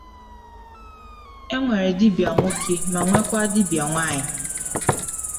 E nwere dibia nwoke ma nwekwaa dibia nwanyị.